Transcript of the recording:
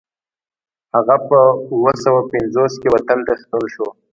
هغه په اوه سوه پنځوس کې وطن ته ستون شو.